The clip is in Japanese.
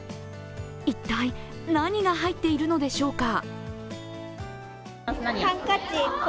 一体、何が入っているのでしょうか